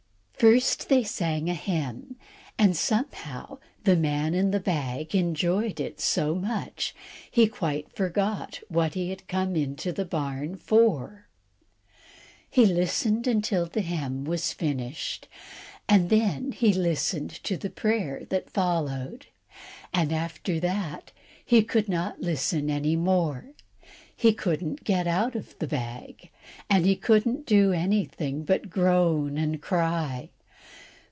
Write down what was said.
First, they sang a hymn; and somehow the man in the bag enjoyed it so much, he quite forgot what he had come into the barn for. He listened until the hymn was finished, and then he listened to the prayer that followed, and after that he could not listen any more. He couldn't get out of the bag, and he couldn't do anything but groan and cry.